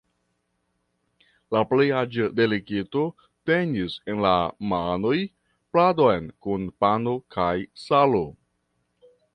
La plej aĝa delegito tenis en la manoj pladon kun pano kaj salo.